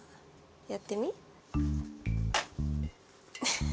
やってみ？